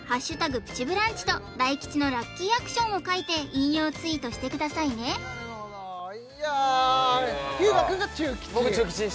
プチブランチと大吉のラッキーアクションを書いて引用ツイートしてくださいねいや日向くんが中吉僕中吉でしたね